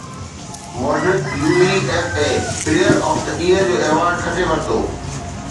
Modric UEFA player of the year جو award کٽي ورتو